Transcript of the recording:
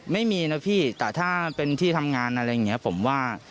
ไม่มีนะพี่แต่ถ้าเป็นที่ทำงานอะไรอย่างนี้ผมว่า